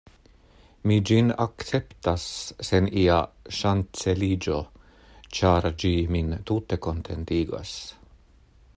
Mi ĝin akceptas sen ia ŝanceliĝo; ĉar ĝi min tute kontentigas.